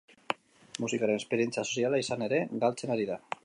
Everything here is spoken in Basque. Musikaren esperientzia soziala, izan ere, galtzen ari da.